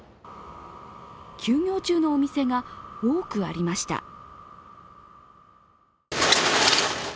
休業中のお店が多くありました。